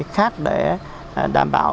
khác để đảm bảo